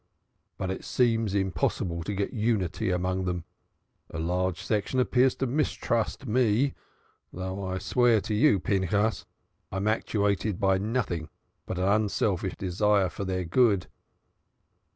But it seems impossible to get unity among them a large section appears to mistrust me, though I swear to you, Pinchas, I am actuated by nothing but an unselfish desire for their good.